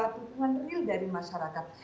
dapat hukuman real dari masyarakat